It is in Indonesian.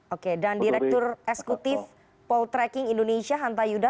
oke dan direktur eksekutif poltreking indonesia hanta yuda